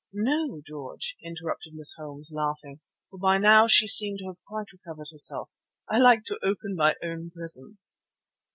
"No, George," interrupted Miss Holmes, laughing, for by now she seemed to have quite recovered herself, "I like to open my own presents."